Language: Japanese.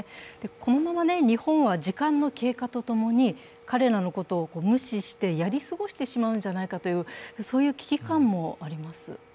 このまま日本は時間の経過とともに彼らのことを無視してやり過ごしてしまうんじゃないかという危機感もあります。